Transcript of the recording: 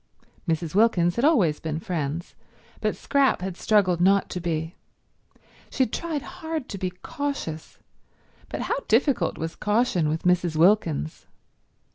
Mrs. Wilkins had always been friends, but Scrap had struggled not to be. She had tried hard to be cautious, but how difficult was caution with Mrs. Wilkins!